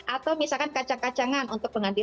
atau misalkan kacang kacangan untuk pengantin